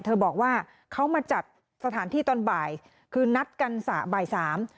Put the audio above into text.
เขาบอกว่าเขามาจัดสถานที่ตอนบ่ายคือนัดกันสระบ่ายสาม